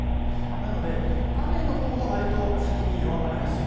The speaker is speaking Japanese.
なので、雨の方がわりと先に弱まりやすい。